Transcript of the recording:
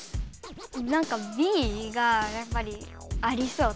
なんかＢがやっぱりありそう。